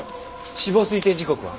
死亡推定時刻は？